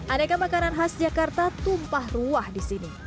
aneka makanan khas jakarta tumpah ruah di sini